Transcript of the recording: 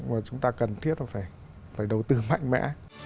mà chúng ta cần thiết là phải đầu tư mạnh mẽ